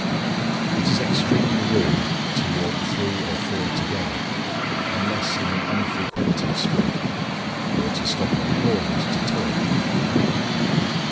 It is extremely rude to walk three or four together, unless in an unfrequented street, or to stop on corners to talk.